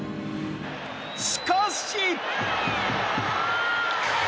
しかし！